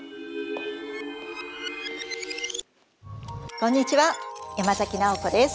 こんにちは山崎直子です。